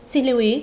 xin lưu ý